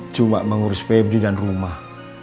cuma mengurus febri dan rumah